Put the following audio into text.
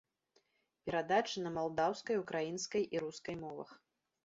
Перадачы на малдаўскай, украінскай і рускай мовах.